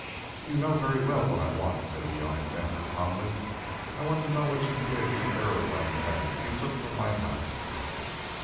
"You know very well what I want," said the young inventor, calmly. "I want to know what you did with the aeroplane plans you took from my house."